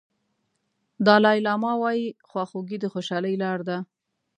دالای لاما وایي خواخوږي د خوشالۍ لار ده.